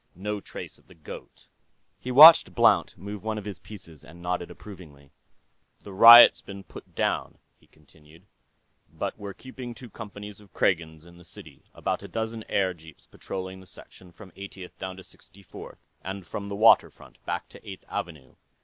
No trace of the goat." He watched Blount move one of his pieces and nodded approvingly. "The riot's been put down," he continued, "but we're keeping two companies of Kragans in the city, and about a dozen airjeeps patrolling the section from Eightieth down to Sixty fourth, and from the waterfront back to Eighth Avenue.